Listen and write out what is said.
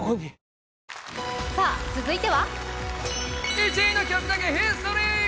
「１位の曲だけヒストリー」。